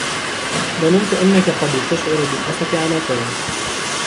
ظننت أنك قد تشعر بالأسف على توم.